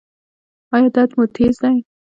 ایا درد مو تېز دی؟